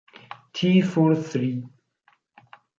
Tea for Three